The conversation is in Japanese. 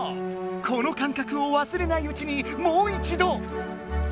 このかんかくをわすれないうちにもう一度。